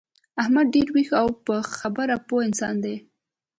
احمد ډېر ویښ او په خبره پوه انسان دی.